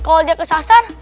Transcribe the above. kalau dia kesasar